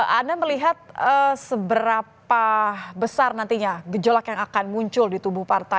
anda melihat seberapa besar nantinya gejolak yang akan muncul di tubuh partai